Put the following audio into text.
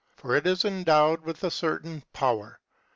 For it is endowed v^ith a certain power.